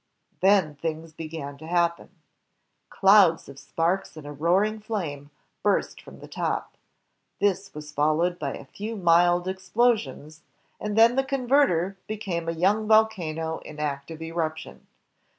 Then things began to happen. Clouds of sparks and a roaring flame burst from the top. This was followed by a few mild explosions, and then the converter became a young volcano in active eruption.